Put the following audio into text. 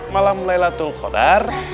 malam laylatul qadar